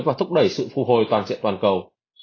và thúc đẩy sự phù hồi toàn diện toàn cầu